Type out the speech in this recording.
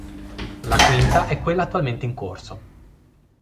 La quinta è quella attualmente in corso.